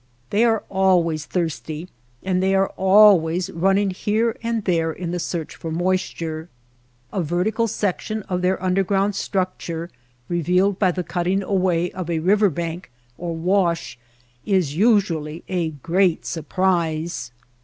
They are always thirsty and they are always running here and there in the search for moisture. A vertical section of their underground structure revealed by the cutting away of a river bank or wash is usually a great surprise.